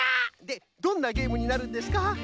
でどんなゲームになるんですか？